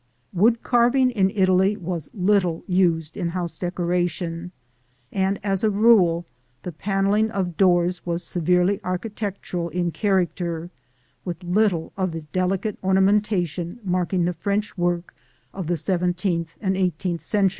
Wood carving in Italy was little used in house decoration, and, as a rule, the panelling of doors was severely architectural in character, with little of the delicate ornamentation marking the French work of the seventeenth and eighteenth centuries.